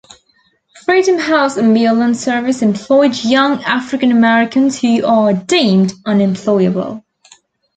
Freedom House Ambulance service employed young African-Americans who were deemed 'unemployable.